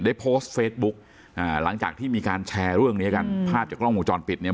หรือได้โพสต์เฟซบุ๊กหลังจากที่มีการแชร์เรื่องในเรื่องนี้อืมภาพจากกล้องมุมจรปิดเนี่ย